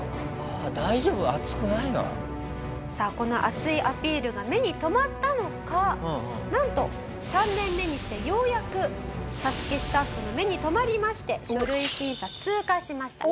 さあこの熱いアピールが目に留まったのかなんと３年目にしてようやくＳＡＳＵＫＥスタッフの目に留まりまして書類審査通過しました。